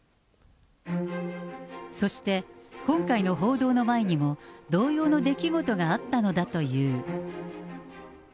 そして、今回の報道の前にも、同様の出来事があったのだという。